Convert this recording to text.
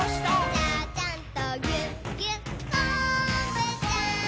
「ちゃちゃんとぎゅっぎゅっこんぶちゃん」